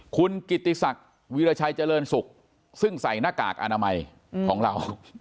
คุณกิติศักดิ์วีรชัยเจริญสุขซึ่งใส่หน้ากากอนามัยของเรา